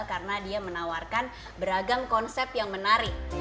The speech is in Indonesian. karena dia menawarkan beragam konsep yang menarik